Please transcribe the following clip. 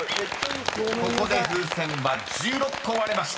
［ここで風船は１６個割れました］